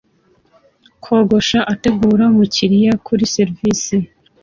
Kogosha ategura umukiriya kuri serivisi